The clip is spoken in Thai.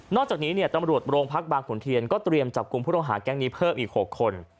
จากนี้ตำรวจโรงพักบางขุนเทียนก็เตรียมจับกลุ่มผู้ต้องหาแก๊งนี้เพิ่มอีก๖คน